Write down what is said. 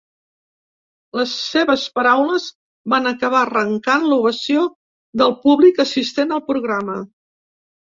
Les seves paraules van acabar arrencant l’ovació del públic assistent al programa.